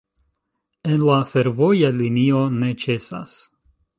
En la fervoja linio ne ĉesas.